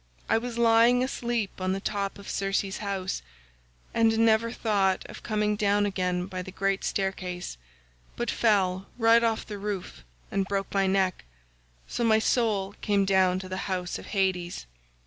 I was lying asleep on the top of Circe's house, and never thought of coming down again by the great staircase but fell right off the roof and broke my neck, so my soul came down to the house of Hades.